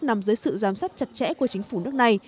nằm dưới sự giám sát chặt chẽ của chính phủ nước này